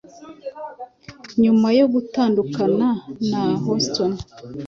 nyuma yo gutandukana na Houston